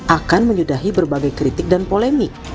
akan menyudahi berbagai kritik dan polemik